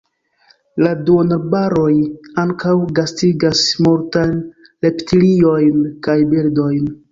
La duonarbaroj ankaŭ gastigas multajn reptiliojn kaj birdojn.